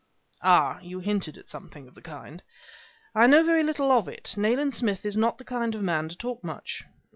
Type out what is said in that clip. "Ah, you hinted at something of the kind." "I know very little of it. Nayland Smith is not the kind of man to talk much."